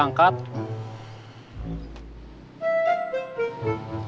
makanya bapak ga yang impatient